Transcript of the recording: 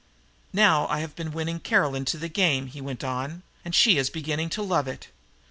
"Now I have been winning Caroline to the game," he went on, "and she is beginning to love it.